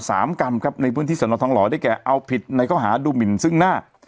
กรรมครับในพื้นที่สนทองหล่อได้แก่เอาผิดในข้อหาดูหมินซึ่งหน้า